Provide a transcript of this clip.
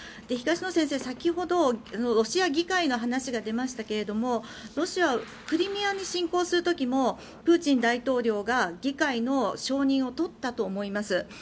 東野先生、先ほどロシア議会の話が出ましたがロシアはクリミアに侵攻する時もプーチン大統領が議会の承認を取ったと思います。